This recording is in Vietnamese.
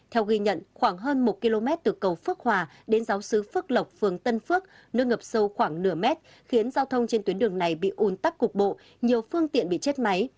theo ghi nhận khoảng hơn một km từ cầu phước hòa đến giáo sứ phước lộc phường tân phước nước ngập sâu khoảng nửa mét khiến giao thông trên tuyến đường này bị ùn tắc cục bộ nhiều phương tiện bị chết máy